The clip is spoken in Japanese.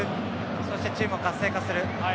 そして、チームを活性化する。